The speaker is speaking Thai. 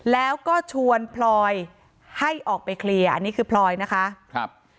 แล้วก็ชวนพลอยให้ออกไปเคลียร์อันนี้คือพลอยนะคะครับ